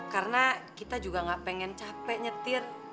karena kita juga gak pengen capek nyetir